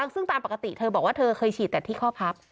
ซึ่งตามปกติเธอบอกว่าเธอเคยฉีดแต่ที่ข้อพับ